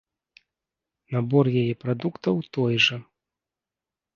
Набор яе прадуктаў той жа.